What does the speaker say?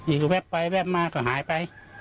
อีกแวบไปแวบมาก็หายไป